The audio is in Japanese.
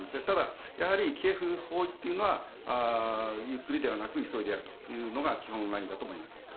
ただ、キエフ包囲というのはゆっくりではなく急いでやるというのが基本ラインだと思います。